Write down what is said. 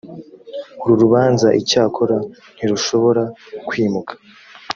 uru rubanza icyakora ntirushobora kwimuka